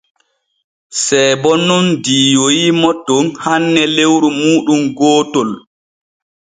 Seebo nun diiyiimo ton hanne lewru muuɗum gootol.